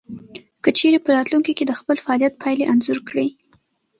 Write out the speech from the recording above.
که چېرې په راتلونکې کې د خپل فعاليت پايلې انځور کړئ.